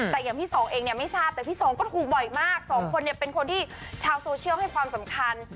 แต่อย่างพี่สองเองเนี่ยไม่ทราบแต่พี่สองก็ถูกบ่อยมากสองคนเนี่ยเป็นคนที่ชาวโซเชียลให้ความสำคัญ